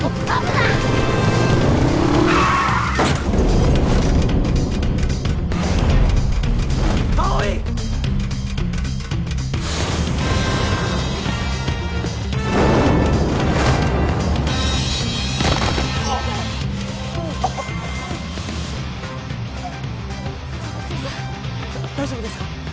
だ大丈夫ですか？